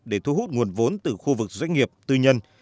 để thu hút nguồn vốn từ khu vực doanh nghiệp tư nhân